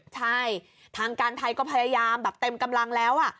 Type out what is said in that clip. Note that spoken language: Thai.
ใช่ทางการไทยก็พยายามแบบเต็มกำลังแล้ว